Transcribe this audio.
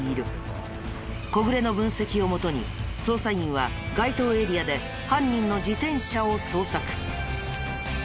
小暮の分析を元に捜査員は該当エリアで犯人の自転車を捜索。